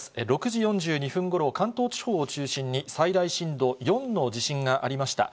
６時４２分ごろ、関東地方を中心に最大震度４の地震がありました。